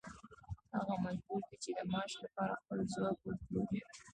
هغه مجبور دی چې د معاش لپاره خپل ځواک وپلوري